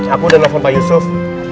aku udah telepon pak yusuf